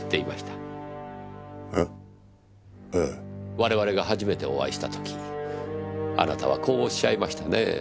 我々が初めてお会いした時あなたはこうおっしゃいましたねぇ。